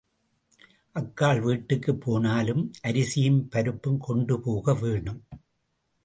அக்காள் வீட்டுக்குப் போனாலும் அரிசியும் பருப்பும் கொண்டு போக வேணும்.